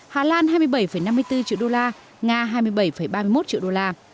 hà lan hai mươi bảy năm mươi bốn triệu đô la nga hai mươi bảy ba mươi một triệu đô la